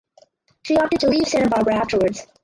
She opted to leave Santa Barbara afterwards.